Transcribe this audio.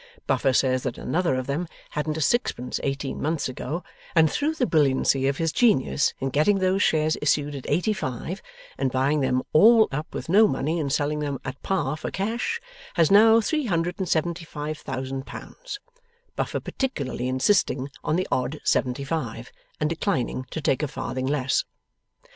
Buffer says that another of them hadn't a sixpence eighteen months ago, and, through the brilliancy of his genius in getting those shares issued at eighty five, and buying them all up with no money and selling them at par for cash, has now three hundred and seventy five thousand pounds Buffer particularly insisting on the odd seventy five, and declining to take a farthing less.